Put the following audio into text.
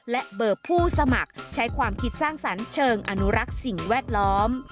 และเบอร์ผู้สมัครใช้ความคิดสร้างสรรค์เชิงอนุรักษ์สิ่งแวดล้อม